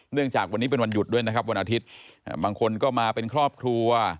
จากวันนี้เป็นวันหยุดด้วยนะครับวันอาทิตย์บางคนก็มาเป็นครอบครัว